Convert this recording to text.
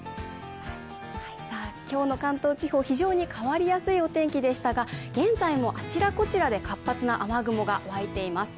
今日の関東地方、非常に変わりやすいお天気でしたが、現在もあちらこちらで活発な雨雲が湧いています。